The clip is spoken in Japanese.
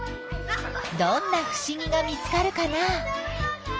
どんなふしぎが見つかるかな？